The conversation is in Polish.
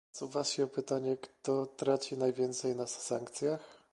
Nasuwa się pytanie - kto traci najwięcej na sankcjach?